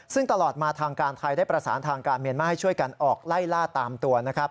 ซึ่งตลอดมาทางการไทยได้ประสานทางการเมียนมาให้ช่วยกันออกไล่ล่าตามตัวนะครับ